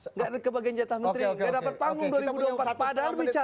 enggak ada kebagian jatah menteri